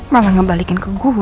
malah ngebalikin ke gue